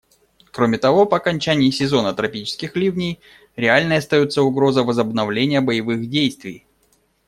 Кроме того, по окончании сезона тропических ливней реальной остается угроза возобновления боевых действий.